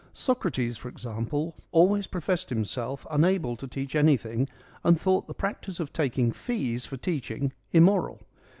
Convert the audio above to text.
Socrates, for example, always professed himself unable to teach anything and thought the practice of taking fees for teaching immoral.